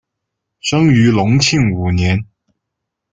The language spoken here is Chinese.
生于隆庆五年。